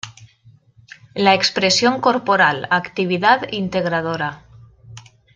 La Expresión Corporal, actividad integradora.